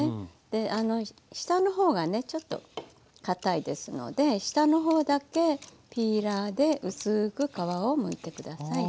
で下の方がねちょっとかたいですので下の方だけピーラーで薄く皮をむいてください。